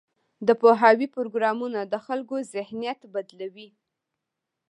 د پوهاوي پروګرامونه د خلکو ذهنیت بدلوي.